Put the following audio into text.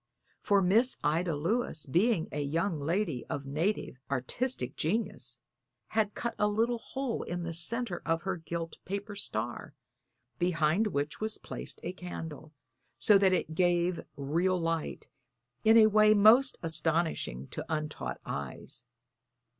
For Miss Ida Lewis, being a young lady of native artistic genius, had cut a little hole in the centre of her gilt paper star, behind which was placed a candle, so that it gave real light, in a way most astonishing to untaught eyes.